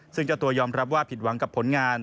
ซึ่งเจ้าตัวยอมรับว่าผิดหวังกับผลงาน